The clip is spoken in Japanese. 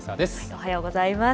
おはようございます。